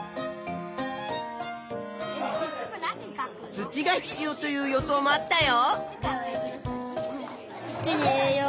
土が必要という予想もあったよ。